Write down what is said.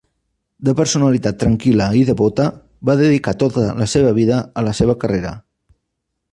De personalitat tranquil·la i devota, va dedicar tota la seva vida a la seva carrera.